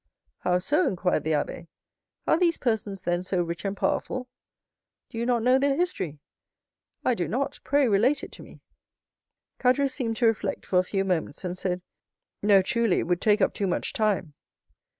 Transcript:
"How so?" inquired the abbé. "Are these persons, then, so rich and powerful?" "Do you not know their history?" "I do not. Pray relate it to me!" Caderousse seemed to reflect for a few moments, then said, "No, truly, it would take up too much time."